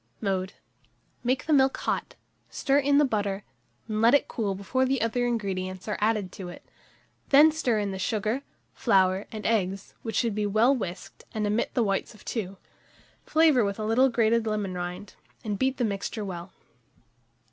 Mode. Make the milk hot; stir in the butter, and let it cool before the other ingredients are added to it; then stir in the sugar, flour, and eggs, which should be well whisked, and omit the whites of 2; flavour with a little grated lemon rind, and beat the mixture well.